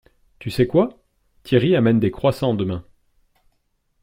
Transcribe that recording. Tu sais quoi? Thierry amène des croissants demain!